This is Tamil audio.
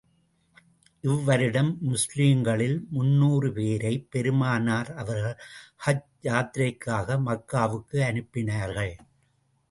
இவ்வருடம் முஸ்லிம்களில் முந்நூறு பேரை, பெருமானார் அவர்கள் ஹஜ் யாத்திரைக்காக மக்காவுக்கு அனுப்பினார்கள்.